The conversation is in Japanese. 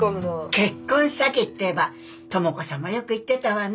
結婚詐欺っていえば智子さんもよく言ってたわね。